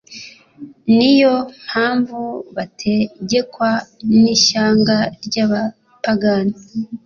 Ni yo mpamvu bategekwaga n'ishyanga ry'abapagani.